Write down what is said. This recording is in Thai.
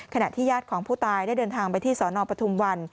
ขณะที่ญาติของผู้ตายได้เดินทางไปที่สนปทุมวัน